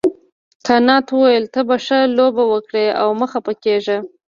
کانت وویل ته به ښه لوبه وکړې او مه خفه کیږه.